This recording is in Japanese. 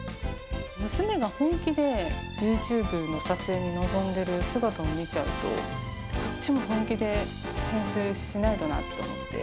娘が本気でユーチューブの撮影に臨んでる姿を見ちゃうと、こっちも本気で編集しないとなって思って。